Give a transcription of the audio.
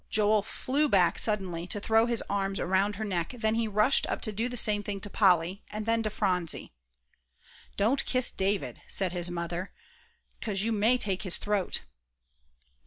Joel flew back suddenly, to throw his arms around her neck, then he rushed up to do the same thing to Polly, and then to Phronsie. "Don't kiss David," said his mother, "'cause you may take his throat."